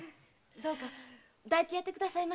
どうか抱いてやってくださいまし。